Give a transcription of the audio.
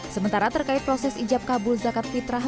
sementara terkait proses ijab kabul zakat fitrah